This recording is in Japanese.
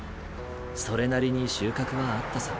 それなりに収穫はあったさ。